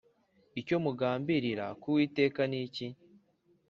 Icyo mugambirira ku Uwiteka ni iki?